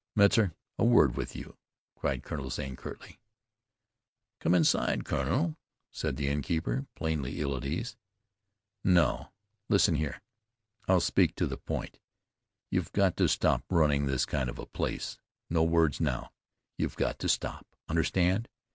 "Metzar, a word with you," cried Colonel Zane curtly. "Come inside, kunnel," said the innkeeper, plainly ill at ease. "No; listen here. I'll speak to the point. You've got to stop running this kind of a place. No words, now, you've got to stop. Understand?